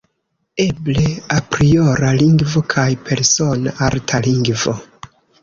Eble apriora lingvo kaj persona arta lingvo.